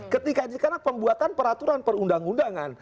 ketika sekarang pembuatan peraturan perundang undangan